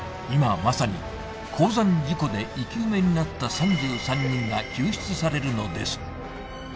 今まさに鉱山事故で生き埋めになった３３人が救出されるのです